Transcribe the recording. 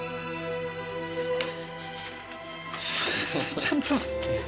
ちょっと待って。